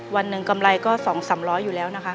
วันหนึ่งกำไรก็๒๓๐๐อยู่แล้วนะคะ